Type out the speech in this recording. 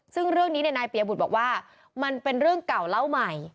ซึ่งเรื่องนี้นายเปียบุตรบอกว่ามันเป็นเรื่องเก่าเล่าใหม่